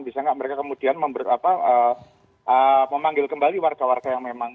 bisa nggak mereka kemudian memanggil kembali warga warga yang memang